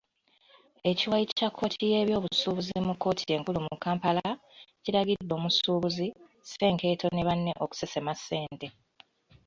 Ekiwayi kya kkooti y'ebyobusuubuzi mu kkooti enkulu mu Kampala, kiragidde omusuubuzi, Senkeeto ne bane okusesema ssente.